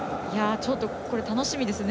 ちょっとこれ、楽しみですね